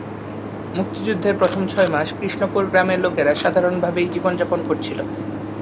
মুক্তিযুদ্ধের প্রথম ছয়মাস, কৃষ্ণপুর গ্রামের লোকেরা সাধারণভাবে জীবনযাপন করেছিল।